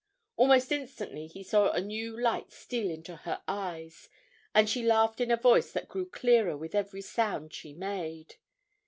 Almost instantly he saw a new light steal into her eyes, and she laughed in a voice that grew clearer with every sound she made.